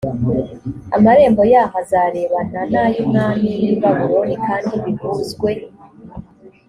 amarenbo yahoo azarebana n’ay’umwami w’i babuloni kandi bihuzwe